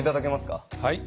はい。